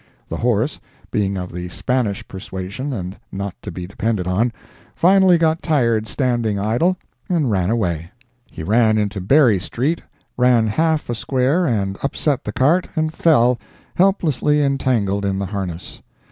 The horse, being of the Spanish persuasion and not to be depended on, finally got tired standing idle, and ran away. He ran into Berry street, ran half a square and upset the cart, and fell, helplessly entangled in the harness.